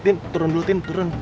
eh tin turun dulu tin turun